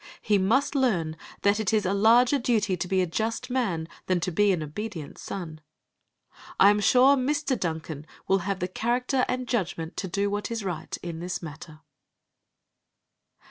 He must learn that it is a larger duty to be a just man than to be an obedient son. I am sure Mr. Duncan will have the character and judgment to do what is right in this matter.